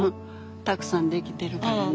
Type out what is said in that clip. たくさん出来てるからね。